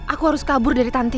aku harus kabur dari tanti